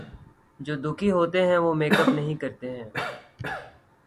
جو دکھی ھوتے ہیں وہ میک اپ نہیں کرتے ہیں